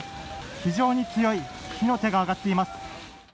非常に強い火の手が上がっています